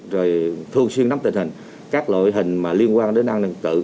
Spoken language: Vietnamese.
rồi thường xuyên nắm tình hình các loại hình liên quan đến an ninh tự